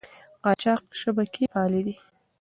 قاچاق شبکې فعالې دي.